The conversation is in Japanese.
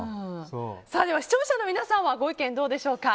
視聴者の皆さんはご意見どうでしょうか。